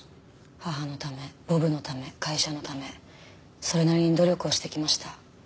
母のためボブのため会社のためそれなりに努力をしてきました。